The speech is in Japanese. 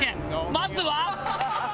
まずは。